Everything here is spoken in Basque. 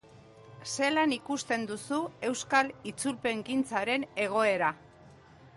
Zelan ikusten duzu euskal itzulpengintzaren egoera?